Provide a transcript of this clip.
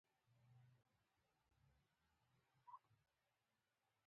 د مغز ساقه د لوی دماغ په لاندنۍ برخه کې واقع ده.